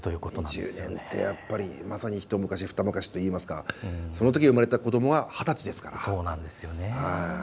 ２０年って一昔、二昔って言いますかそのとき生まれた子どもは二十歳ですから。